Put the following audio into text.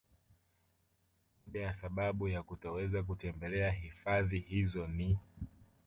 Moja ya sababu ya kutoweza kutembelea hifadhi hizo ni